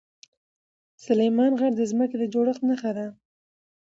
سلیمان غر د ځمکې د جوړښت نښه ده.